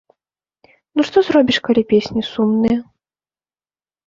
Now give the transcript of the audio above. Ну што зробіш, калі песні сумныя?